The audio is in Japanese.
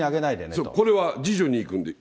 そう、これは次女にいくんで。